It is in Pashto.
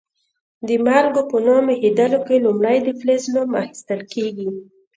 د مالګو په نوم ایښودلو کې لومړی د فلز نوم اخیستل کیږي.